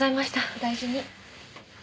お大事に。